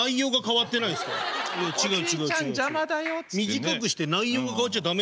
短くして内容が変わっちゃ駄目。